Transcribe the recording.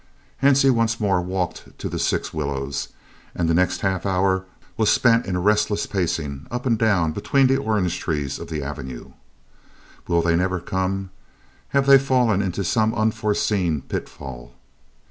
Hansie once more walked to the six willows, and the next half hour was spent in a restless pacing up and down between the orange trees of the avenue. "Will they never come? Have they fallen into some unforeseen pitfall?